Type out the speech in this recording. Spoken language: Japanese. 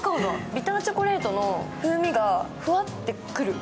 ビターチョコレートの風味がふわってくる。